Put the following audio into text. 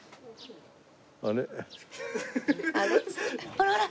ほらほら！